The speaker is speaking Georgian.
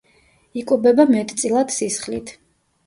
იკვებება მეტწილად სისხლით.